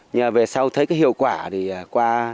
nhưng về sau thấy cái hiệu quả thì qua